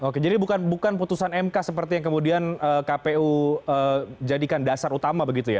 oke jadi bukan putusan mk seperti yang kemudian kpu jadikan dasar utama begitu ya